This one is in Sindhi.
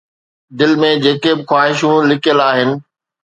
دل ۾ جيڪي به خواهشون لڪيل آهن